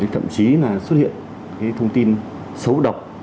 thậm chí là xuất hiện thông tin xấu độc